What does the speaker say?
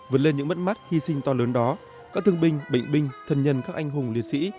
vượt lên những mất mát hy sinh to lớn đó các thương binh bệnh binh thân nhân các anh hùng liệt sĩ